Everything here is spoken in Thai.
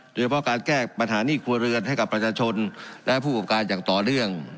โดยเฉพาะการแก้ปัญหาหนี้ครัวเรือนให้กับประชาชนและผู้ประกอบการอย่างต่อเนื่อง